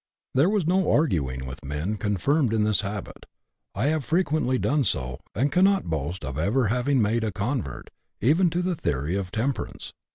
There is no arguing with men confirmed in this habit. I have frequently done so, and cannot boast of ever having made a convert, even to the theory of temperance.